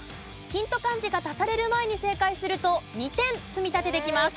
ヒント漢字が足される前に正解すると２点積み立てできます。